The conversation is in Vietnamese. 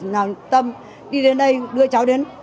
nào tâm đi đến đây đưa cháu đến